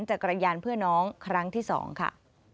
จักรยานเพื่อน้องครั้งที่๒ค่ะ